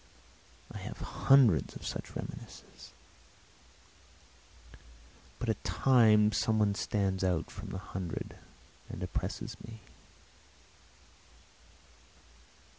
I have hundreds of such reminiscences; but at times some one stands out from the hundred and oppresses me.